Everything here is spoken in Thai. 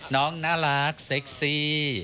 น้องน่ารักเซ็กซี่